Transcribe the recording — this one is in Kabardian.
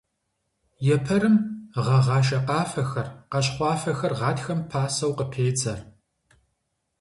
Епэрым гъэгъа шакъафэхэр, къащхъуафэхэр гъатхэм пасэу къыпедзэ.